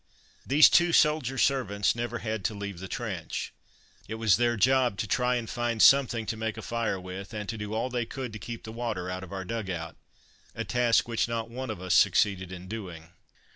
These two soldier servants never had to leave the trench. It was their job to try and find something to make a fire with, and to do all they could to keep the water out of our dug out, a task which not one of us succeeded in doing.